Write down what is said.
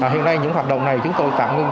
hiện nay những hoạt động này chúng tôi tạm ngưng